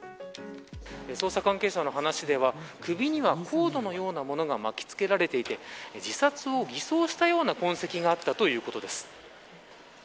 捜査関係者の話では首にはコードのようなものが巻き付けられていて自殺を偽装したような痕跡があったということです。